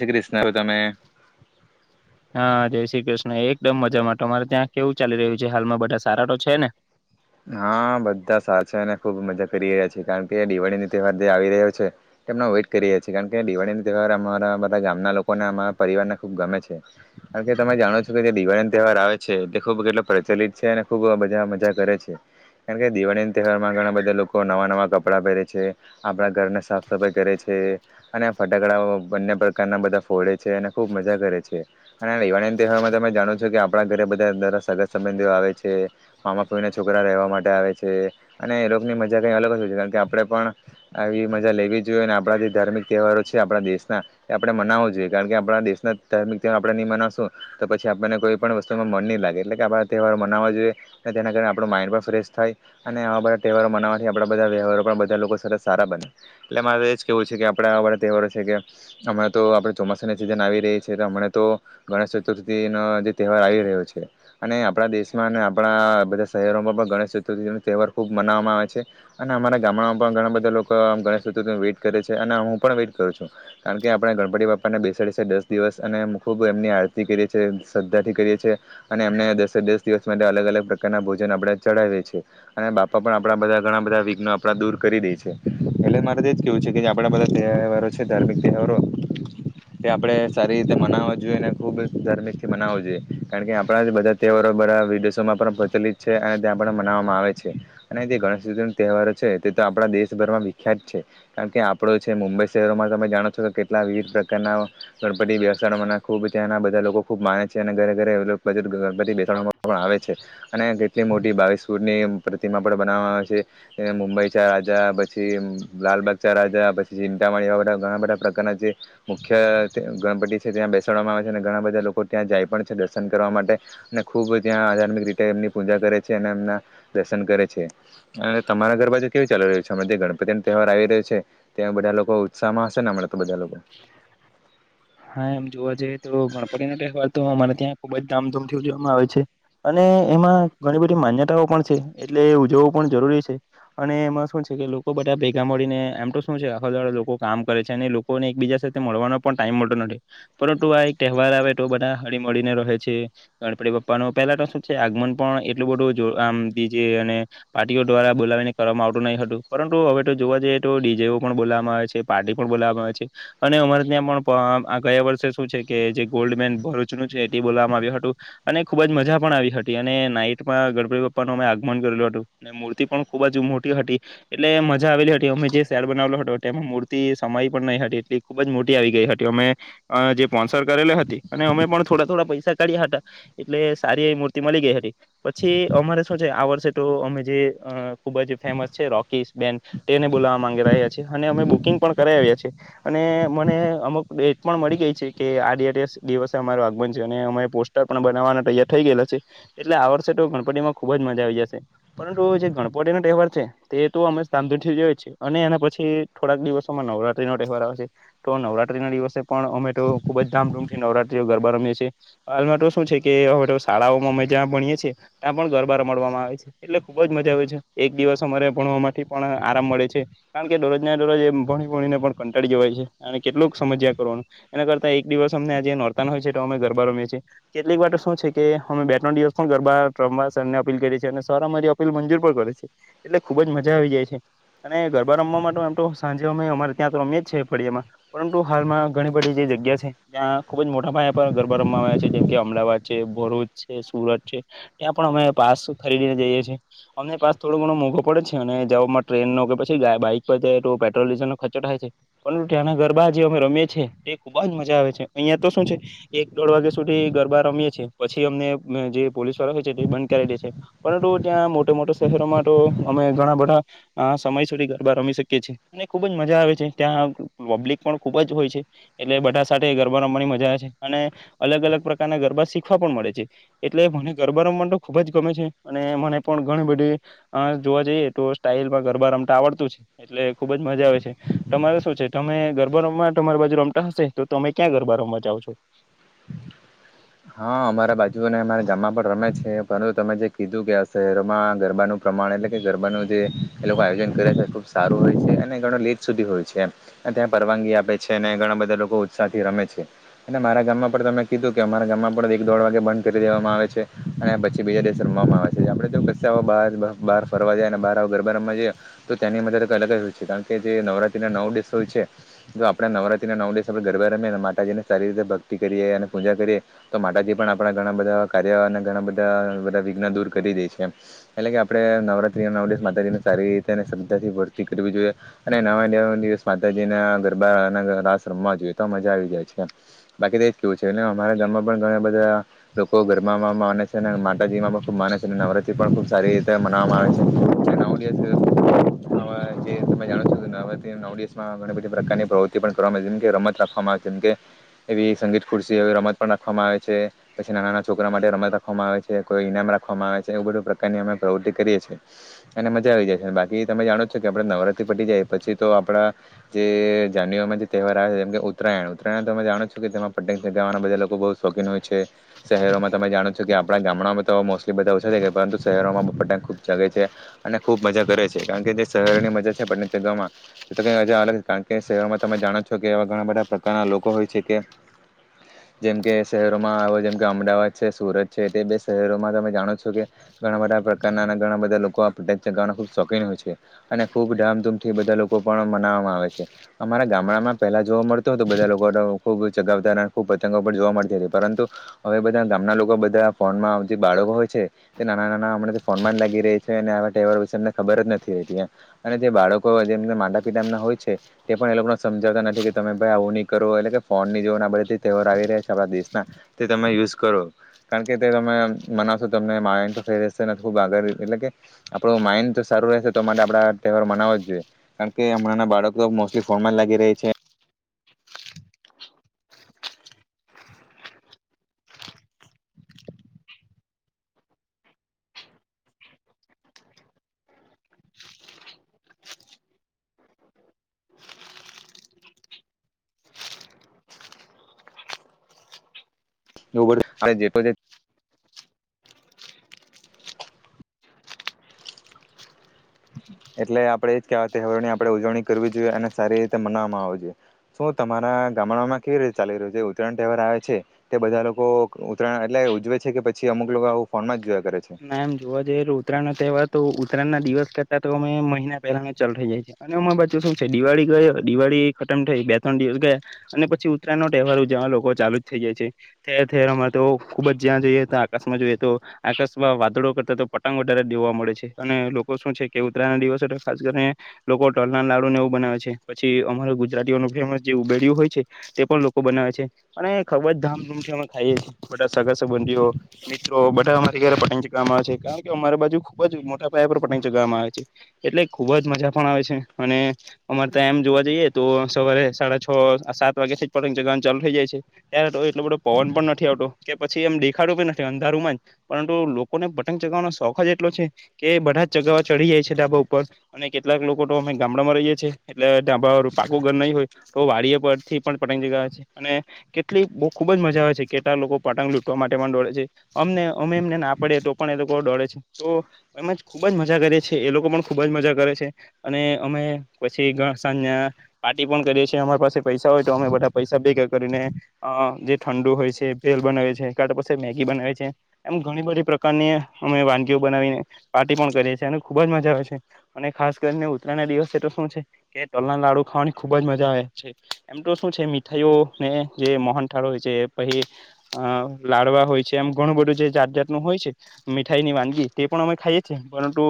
શ્રી કૃષ્ણ તમે હા જય શ્રી કૃષ્ણ એક એકદમ મજામાં અમારે ત્યાં કેવું ચાલી રહ્યું છે હાલમાં બધા સારા તો છે ને હા બધા સાચા નેછે અને ખુબ મજા કરી રહ્યા છે કારણ કે દિવાળી ન તહેવાર જે આવી રહ્યો છે એમ વઇટ કરી રહ્યા છેી કારણ કે દિવાળી ન તહેવાર અમારા બધા ગામના લોકોને અમારા પરિવારને ખુબ ગમે છે કારણ કે તમે જાણો છો કે જે દિવાળી ન તહેવાર આવે છે તે ખૂબ કેટલો પ્રચલિત છે અને ખૂબ બધા મજા કર છે કારણ કે દિવાળી ના તહેવારમાં ઘણા બધા લોકો નવા નવા કપડા પહેરે છે આપણા ઘરને સાફ સફાઈ કરે છે અને ફટાકડા બંને પ્રકારના બધા ફોડે છે અને ખૂબ મજા કરે છે ના દિવાળી તહેવારમાં ત જાણો છો કે આપણા ઘરે બધા દરે સંગા સંબંધીઓ આવે છે મામા પ છોકરા રહેવા માટે આવે છે અને એ લોકોની મજા કંઈ અલગ જ હોય છે કારણ કે આપણે પણ આવી મજા લેવી જોઈએ અને આપણા જે ધાર્મિક તહેવારો છે આપણા દેશના એ આપણે મનાવું જોઈએ કારણ કે આપણા દેશના ધાર્મિક તહેવાર આપણે નહીં મનાવશું તો પછી આપણને કોઈ પણ વસ્તુમાં મન નહીં લાગે એટલે કે આપણા તહેવારો મનાવવા જોઈએ અને તેના કારણેણે આપણું માઇન્ડ પણ ફ્રેશ થાય અને આવા બધા તહેવારો મનાવવાથી આપણા બધા વ્યવહારો પણ બધા લોકો સરસ સારા બને એટલે મારે એ જ કહેવું છે કે આપણા આવા બધા તહેવારો છે કે હણાં તો આપણે ચોમાસાની સિઝન આવી રહી છે તો હણા તો ગણેશ ચતુર્થીનો જે તહેવાર આવી રહ્યો છે અને આપણા દેશમાં અને આપણા બધા શહેરોમાં પણ ગણેશ ચતુર્થીનો તહેવાર ખૂબ મનાવવામાં આવે છે અને અમારા ગામડામાં પણ ઘણા બધા લોકો ગણેશ ચતુર્થીને વેઇટ કરે છે અને હું પણ વેઇટ કરું છું કારણ કે આપણા ગણપતિ બાપ્પાને બેસાડે છે દસ દિવસ અને ખૂબ એમની આરતી કરીએ છીએ શ્રદ્ધાથી કરીએ છીએ અને એમને દસે દસ દિવસ માટે અલગ અલગ પ્રકારના ભોજ જેને આપણે ચઢાવીએ છીએ અને બાપા પણ આપણા બધા ઘણા બધા વિઘ્નો આપણા દૂર કરી દે છે એટલે મારે તો જ કેહેવું છે કે જે આપણા બધા તહેવારો છે ધાર્મિક તહેવારો તે આપણે સારી રીતે મનાવવા જોઈએ અને ખૂબ જ ધાર્મિકથી મનાવો જોઈએ કારણ કે આપણા જ બધા તહેવારો બધા વિદેશોમાં પણ પ્રચલિત છે અને ત્યાં પણ મનાવવામાં આવે છે અને તે ગણેશ ચતુર્થીનો તહેવારો છે તે તો આપણા દેશભરમાં વિખ્યાત છે કારણ કે આપણો છે મુંબઈ શહેરોમાં તમે જાણો છો કે કેટલા વિવિધ પ્રકારના ગણપતિ બેસાડવાના ખૂબ ત્યાંના બધા લોકો ખૂબ માને છે અને ઘરે ઘરે બધ ગણપતિ બેસાડવા પણ આવે છે અને આટલી મોટી બાવિશ ફુટ ની પ્રતિમા પણ બનાવવામાં આવે છે મુંબઈ ચ રાજા પછી લાલબાગ ચ રાજા પછી ચિંતાામાળી એવા બધા ઘણા બધા પ્રકારના જે મુખ્ય ગણપતિ છે ત્યાં બેસાડવામાં આવે છે અને ઘણા બધા લોકો ત્યાં જાય પણ છે દર્શન કરવા માટે અને ખૂબ ત્યાં આધાર્મિક રીતે એમની પૂજા કરે છે અને એમના દર્શન કરે છે અને તમારા ઘર બાજુ કેવું ચાલી રહ્યું છે જે ગણપતિ ન તહેવાર આવી રહ્યો છે ત્યાં બધા લોકો ઉત્સાહમાં હશે ને હમણાં તો બધા લોકો હા એમ જોવા જઈએ તો ગણપતિનોહેવા તો અમારે ત્યાં ખુબ જ ધામધૂમથી ઉજવવામાં આવે છે અને એમાં ઘણી બધી માન્યતાઓ પણ છે એટલે ઉજવવું પણ જરૂરી છે અને એમાં શું છે કે લોકો બધા ભેગા મળીને આમ તો શું છે આખા દ લોકો કામ કરે છે અને લોકોને એકબીજા સાથે મળવાનો પણ ટાઈમ મળ પરુ આ એક તહેવાર આવે તો બધા હળ મળીને રહે છે ગણપતિ પપ્પા ન પેલા તો શું છે આગમન પણ એટલું બધું આમીજે અને પાર્ટીઓ દ્વારા બોલાવીને કરવામાં આવતું નહી હતું પરંતુ હવે તો જોવા જઈએ તો ડીજે પણ બોલાવામાં આવે છે પાર્ટી પણ બોલાવામાં આવે છે અને અમારે ત્યાં પણ પણ આ ગયા વર્ષે શું છે કે જે ગોલ્ડ મેન ભરૂચનું છે એ બોલવામાં આવ્યું હતું અને ખુબ જ મજા પણ આવી હતી અને નાઈટમાં ગણપતિ બાપ્પાનુંું અમે આગમન કરેલું હતું અને મૂર્તિ પણ ખુબ જ મોટી હતી એટલે મજા આવેલી હતી અમે જે શેડ બનાવેલો હતો એમાં મૂર્તિ સમાય પણ નહી હતી એટલી ખુબ જ મોટી આવી ગઈ હતી કે અમે જે સ્પોન્સર કરેલી હતી અને અમે પણ થોડા થોડા પૈસા કાઢ્યા હતા એટલે સારી એ મૂર્તિ મળી ગઈ હતી પછી અમારે શું છે આ વર્ષે તો અમે જે ખુબ જ ફેમસ છે રોકીસ બેન તેને બોલાવા માંગી રહ્યા છે અને અમે બુકિંગ પણ કરાવ્યાી અને મને અમુક ડેટ પણ મળી ગઈ છે કે આ દિવસે અમારું આગમન છે અને અમે પોસ્ટર પણ બનાવવાના તૈયાર થઈ ગયેલા છે એટલે આ વર્ષે તો ગણપતિ માં ખુબ જ મજા આવી જશે પરંતુ જે ગણપતિનોો તહેવાર છે તે તો અમે સાામધુ થી જોઈ છેએ અને એના પછી થોડાક દિવસોમાં નવરાત્રીનો તહેવાર આવે છે તો નવરાત નત્રી ના દિવસે પણ અમે તો ખૂબ જ ધામધૂમથી નવરાત્ર્રીઓ ગરબા રમીએ છીએ અમે તો શું છે કે અમે તો શાળાઓમાં અમે જ્યાં ભણીએ છીએ ત્યાં પણ ગરબા રમડવામાં આવે છે એટલે ખૂબ જ મજા આવે છે એક દિવસ અમારે ભણવા માટેથી પણ આરામ મળે છે કારણ કે દરરોજ ના દરરોજ એ ભણી ભણીને પણ કંટાળી જવાય છે અને કેટલુંક સમજ્યા કરવાનું એના કરતા એક દિવસ અમને આજ નોતા ના હોય છે તો અમે ગરબા રમીએ છીએ કેટલીક વા શું છે કે અમે બે ત્રણ દિવસ પણ ગરબા રમવા સર ને અપીલ કરીએ છીએ અને સર અમારી અપીલ મંજૂર પણ કરે છે એટલે ખુબ જ મજા આવી જાય છે અને ગરબા રમવા માટેમ તો સાંજે અમે અમારે ત્યાં તો રમએ જ છે ફળિયામાં પરંતુ હાલમાં ઘણી બધી જે જગ્યા છે ત્યાં ખુબ જ મોટા પાયયા પર ગરબા રમવા આવ્યા છે જેમ કે અમદાવાદ છે ભરૂચ છે સુરત છે ત્યાં પણ અમે પાસ ફરીને જઈએ છીએ અમને પાસ થોડો ઘણો મોંઘો પડે છે અને જવામાં ટ્રેનનોો કે પછી બાઈક પર જાય તો પેટ્રોલ ડીઝલ નો ખર્ચો થાય છે પરંતુ ત્યાંનાર ગરબા જે અમે રમએી તે ખુબ જ મજા આવે છે અહિયાં તો શું છે એક દોઢ વાગ્યા સુધી ગરબા રમીએ છીએ પછી અમને જે પોલીસ વાળા હોય છે તે બંધ કરાવી દે છે પરંતુ ત્યાં મોટા મોટા શહેરોમાં તો અમે ઘણા બધા સમય સુધી ગરબા રમી શકીએીએ અને ખુબ જ મજા આવે છે ત્યાં પ્લિક પણ ખૂબ જ હોય છે એટલે બધા સાથે ગરબા રમવાની મજા આવે છે અને અલગ અલગ પ્રકારના ગરબા શીખવા પણ મળે છે એટલે મને ગરબા રમવા તો ખુબ જ ગમે છે અને મને પણ ઘણી બધી જોવા જઈએ તો સ્ટાલમાં ગરબા રમતા આવડતું છે એટલે ખુબ જ મજા આવે છે તમારે શું છે તમે ગરબ ગરબા રમવા તમારી બાજુ રમતા હશે તો તમે ક્યાં ગરબા રમવા જાાવ છો હા અમારા બાજુને અમારા ગામમાં પણ રમે છે પરંતુ તમે જે કીધું કે આ શહેરોમાં ગરબાનું પ્રમાણે એટલે કે ગરબાનું જે એ લોકો આયોજન કરે છે ખુબ સારું હોય છે અને ઘણો લેટ સુધી હોય છે અને ત્યાં પરવાનગી આપે છે અને ઘણા બધા લોકો ઉત્સાહ થી રમે છે અને મારા ગામમાં પણ તમે કીધું કે આપણા ગામમાં પણ એક દોઢ વાગે બંધ કરી દેવામાં આવે છે અને પછી બીજા દિવેશ રમવામાં આવે છે આપણે જો કશવા આવો બહાર બહાર ફરવા જાય અને બાર આવો ગરબા રમવા જઈએ તો તેની મરઈ અલગ જ હોય છે કારણ કે જે નવરાત્રિ નાનવ દિવસ હોય છે તો આપણે નવરાત્રીના નવ દિવસ આપણે ગરબા રમીએ અને માતાજીને સારી રીતે ભક્તિ કરીએ અને પૂજા કરીએ તો માતાજી પણ આપણા ઘણા બધા કાર્ય અને ઘણા બધા બધા વિઘ્ન દૂર કરી દે છે એટલે કે આપણે નવરાત્રી નવ દિવ માતાજીને સારી રીતે અને શ્રદ્ધા થી ભક્તી કરવી જોઈએ અને નવા ન દિવસ માતાજીના ગરબા રાસ રમવા જોઈએ તો મજા આવી જાય છે બાકી તોજ કેવું છે એ અમારા ગામમાં પળ ગાળા બધા લોકો ગરબમાં માને છે અને માતાજી માં પણ ખુબ માને છે નવરાત્રી પણ ખુબ સારી રીતે મનાવામાં આવે છે નવ દિવસ ત જાણો છો નવરા નવ દિવસમાંણી બધી પ્રકારની પ્રવૃત્તિ પણ કરવામાં આવે છે જેમકે રમત રાખવામાં આવે છે જેમકે એવી સંગીત ખુરશ રમત પણ રાખવામાં આવે છે પછી નાના નાના છોકરા માટે રમત રાખવામાં આવે છે કોઈ ઇનામ રાખવામાં આવે છે એવું બધું પ્રકારની અમે પ્રવૃત્તિ કરીએ છીએ અને મજા આવી જાય છે બાકી તમે જાણો છો કે આપણે નવરાત્રિ પટી જાય પછી તો આપણા જે જાન્યુઆરીમાં જે તહેવાર આવે છે જેમ કે ઉત્તરાયણ ઉત્તરાયણ તમે જાણો છો કે જેમાં પટેંગ ગવાના બધા લોકો બહુ શોખીન હોય છે શહેરોમાં તમે જાણો છો કે આપણા ગામડામાં તો મોસ્ટલી બધા ઓછા થ પરંતુ શહેરોમાં પટ ખુબ જગે છે અને ખૂબ મજા કરે છે કારણ કે જે શહેરોની મજા છે પટ જગમાં મજા અલગ કારણ કે શહેરોમાં તમે જાણો છો કે એવા ઘણા બધા પ્રકારના લોકો હોય છે કે જેમકે શહેરોમાં આવે જેમ કે અમદાવાદ છે સુરત છે તે બે શહેરોમાં તમે જાણો છો કે ઘણા બધા પ્રકારના અને ઘણા બધા લોકો ચગાવવા ખુબ શોખીન હોય છે અને ખૂબ ધામધૂમથી બધા લોકો પણ મનાવામાં આવે છે અમારા ગામડામાં પહેહલા જોવા મળતોું હોય તો બધા લોકો ખૂબ ચગાવતા ખૂબ પતંગો પણ જોવા મળતા પરંતુ હવે બધા ગામના લોકો બધા ફોનમાં જે બાળકો હોય છે તે નાના નાના હમણાં ફોનમાં જ લાગી રહી છે અને આવા તહેવારો વિશેમને ખબર જ નથી હોતી અને જે બાળકો જેમ માતા પિતા એમના હોય છે તે પણ એ લોકો સમજાવતા નથી કે તમે ભાઈ આવું નહી કરો એટલે કે ફોન ની જો બધા તહેવાર આવી રહ્યા છે આપણા દેશ તે તમે યુઝ કરો કારણ કે તે તમે મનાવશો તમ માન્ડશે ખબ આગળ એટલે કે આપણો માઇન્ડ તો સારું રહેશે તો માટે આપ તહેવાર મનાવો જ જોઈએ કારણ કે હમણાં બાળક તો મોસ્ટલી ફોનમાં જ લાગી રહી છે જે પ્ર [inaudible] એટલે આપડે એ જ કેવાય તહેવારોની આપડે ઉજવણી કરવી જોઈએ અને સારી રીતે મનાવામાં આવ જોઈએ શું તમારા ગામડામાં કેવી રીતે ચાલી રહ્યું છે ઉત્તરાયણ તહેવાર આવે છે તે બધા લોકો ઉત્તરાયણ એટલે ઉજવે છે કે પછી અમુક લોકો આવું ફોનમાં જ જો ના એમ જોવા જઈ ઉતરાયણ તહેવાર તો ઉતરાયણ ના દિવસ કરતા તો અમે મહિના પહેલા ચાલુ થઈ જાય છે અને અમારી બાજુ શું છે દિવાળી ગયો દિવાળી ખતમ થઈ બે ત્રણ દિવસ ગયા અને પછી ઉત્તરાયણ નો તહેવાર ઉ જ લોકો ચાલુ જ થઈ જાય છે ઠેર ઠેર અમારે તો ખુબ જ્યાં જોઈએ તો આકાશમાં જોઈએ તો આકાશ વાદળો કરતા તો પટગ વધારે જોવા મળે છે અને લોકો શું છે કે ઉત્તરાયણ ના દિવસ ખાસ કરીને લોકો ટલના લાડુ ને એવું બનાવે છે પછી અમારા ગુજરાતીઓનું ફેમસ જે ઉબેડું હોય છે તે પણ લોકો બનાવે છે અને ખબ જ ધામધૂમથી અમે ખાઈએ છીએ બધા સગા સંબંધીઓ મિત્રો બધા પતંગ ચગવામાં આવે છે કારણ કે અમારી બાજુ ખુબ જ મોટા પયાે પર પતંગ ચગાવવામાં આવે છે એટલે ખુબ જ મજા પણ આવે છે અને અમારે ત્યાં એમ જોવા જઈએ તો સવારે સાડા છ સાત વાગ્યાથી પતંગ ચગવા ચાલુ થઇ જાય છે ત્યારે તો એટલો બધો પવન પણ નથી આવતો કે પછી એમ દેખાડું પણ નથી અંધારુંમાં પરતુ લોકોને પતંગ ચગાવવાનો શોખ જ એટલો છે કે બધા જ ચગાવવા ચડી જાય છે ઢાબા ઉપર અને કેટલાક લોકો તો અમે ગામડામાં રહીએ છીએ એટલે ડાબા પાકું ઘર નહી હોય તો વાડી પરથી પણ પતંગ ચગાવ છે અને કેટલી બો ખુબ જ મજા આવે છે કેટલાક લોકો પતંગ લૂટવા માટે પણ દોળે છે અમને અમે એમને ના પાડએ તો પણ એ લોકો ડોરેે છે તો એમાં જ ખૂબ જ મજા કરીએ છીએ એ લોકો પણ ખૂબ જ મજા કરે છે અને અમે પછી ઘ સાંજના પાર્ટી પણ કરીએ છીએ અમારા પાસે પૈસા હોય તો અમે બધા પૈસા ભેગા કરીને અ‌ જે ઠંડુ હોય છે ભેલ બનાવે છેએ પાછ મેગી બનાવે છે. એમ ઘણી બધી પ્રકારની અમે વાનગીઓ બનાવીને પાર્ટી પણ કરીએ છીએ અને ખૂબ જ મજા આવે છે અને ખાસ કરીને ઉત્તરાયણના દિવસે એ તો શું છે કે ટલના લાડુ ખાવાની ખૂબ જ મજા આવે છે એમ તો શું છે મીઠાઈઓને જે મોહનઠાળો હોય છે પહી અ લાડવા હોય છે એમ ઘણું બધું જે જાત જાાતનું હોય છે મીઠાઈની વાનગી તે પણ અમે ખાઈએ છીએ પરંતુ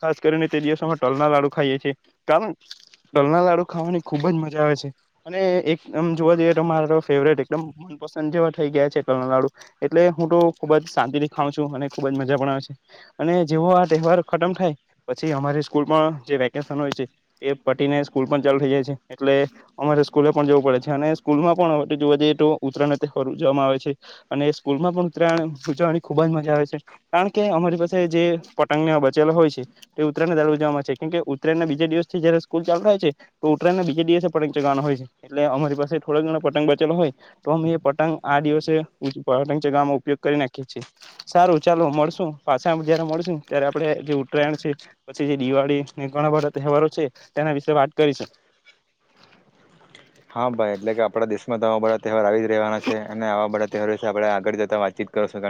ખાસ કરીને તે દિવસ અમે ટલના લાડુ ખાઈએ છીએ કારણ ટલના લાડુ ખાવાની ખૂબ જ મજા આવે છે અને એક અમ જોવા જઈએ તો મારા તો ફેવરેટ એકદમ મનપસંદ જેવા થઈ ગયા છે ટલના લાડુ એટલે હું તો ખૂબ જ શાંતિથી ખાઉં છું અને ખૂબ જ મજા પણ આવે છે અને જેવો આ તહેવાર ખતમ થાય પછી અમારી સ્કૂલમાં જે વેકેશન હોય છે એ પટીને સ્કૂલ પણ ચાલુ થઈ જાય છે એટલે અમારે સ્કૂલે પણ જવું પડે છે અને સ્કૂલમાં પણ હવે જોવા જઈએ તો ઉત્તરાયણના તહેવાર ઉજવવામાં આવે છે અને સ્કૂલમાં પણ ઉત્તરાયણ ઉજવવાની ખૂબ જ મજા આવે છે કારણ કે અમારી પાસે જે પતંગને બચેલો હોય છે એ ઉત્તરાયણને દાળે ઉજવવામાં આવે છે કેમકે ઉત્તરાયણના બીજ દિવસથી જયારે સ્કૂલ ચાલુ હોય છે તો ઉત્તરાયણના બીજા દિવસે પતંગ ચગાવવાનો હોય છે એટલે અમારી પાસે થોડો ઘણ પતંગ બચેલો હોય તો અમે એ પતંગ આ દિવસે પતંગ ચગાવવાવામાં ઉપયોગ કરી ના ખીએ છે સારું ચાલો મળશું પાછા જયારે મળશું ત્યારે આપણે જે ઉત્તરાયણ છે પછી જે દિવાળી ને ઘણા બધા તહેવારો છે તેના વિશે વાત કરીશું હા ભાઈ એટલે કે આપણા દેશમાં આવી જ રહેવાના છે અને આવા બધા આપણે આગળ જતા વાતચીત કરશો